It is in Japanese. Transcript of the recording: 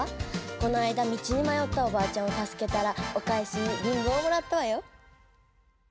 この間道にまよったおばあちゃんをたすけたらおかえしにリンゴをもらったわよ。